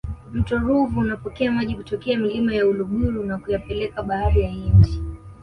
mto ruvu unapokea maji kutoka milima ya uluguru na kuyapeleka bahari ya hindi